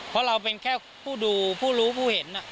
เพราะเราเป็นแค่ผู้ดูผู้รู้ผู้เห็น